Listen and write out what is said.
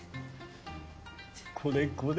これこれ。